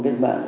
với các mạng